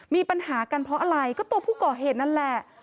มีปัญหากันเพราะอะไรก็ตัวผู้ก่อเหตุนั่นแหละ